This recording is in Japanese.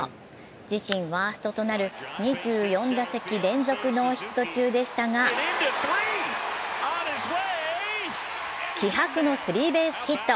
自身ワーストとなる２４打席連続ノーヒット中でしたが気迫のスリーベースヒット。